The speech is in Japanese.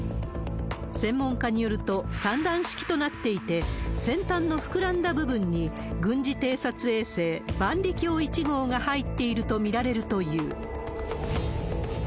専門家によると、３段式となっていて、先端の膨らんだ部分に、軍事偵察衛星、万里鏡１号が入っていると見られるという。